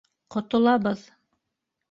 Ҡотолабыҙ.